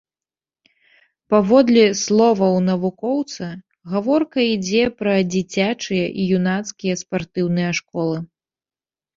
Паводле словаў навукоўца, гаворка ідзе пра дзіцячыя і юнацкія спартыўныя школы.